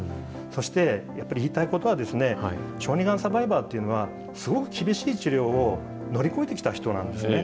そして、やっぱり言いたいことは、小児がんサバイバーというのは、すごく厳しい治療を乗り越えてきた人なんですね。